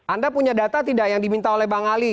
anda punya data tidak yang diminta oleh bang ali